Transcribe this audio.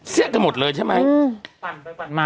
เสี้ยกันหมดเลยใช่ไหม